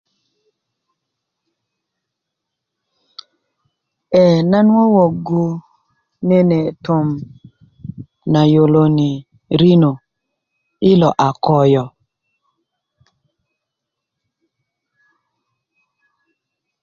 ee na wowogu nene tom na yoloni rinö ilo a koyo